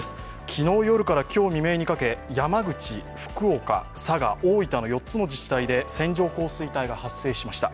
昨日夜から今日未明にかけ山口、福岡、佐賀、大分の４つの自治体で線状降水帯が発生しました。